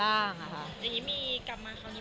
ดังนี้กลับมาคราวนี้มีการตั้งต้นตกลงอะไรกันใหม่